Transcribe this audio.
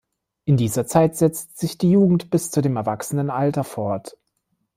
In dieser Zeit setzt sich die Jugend bis zu dem Erwachsenenalter fort.